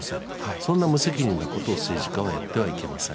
そんな無責任なことを政治家はやってはいけません。